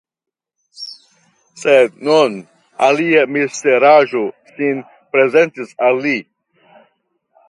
Sed nun alia misteraĵo sin prezentis al li.